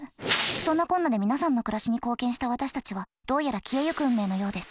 そんなこんなで皆さんの暮らしに貢献した私たちはどうやら消えゆく運命のようです。